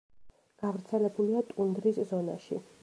გავრცელებულია ტუნდრის ზონაში.